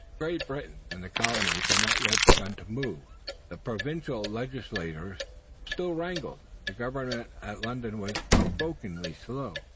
Great Britain and the Colonies had not yet begun to move. The Provincial legislatures still wrangled, and the government at London was provokingly slow.